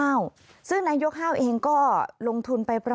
ฟังเสียงลูกจ้างรัฐตรเนธค่ะ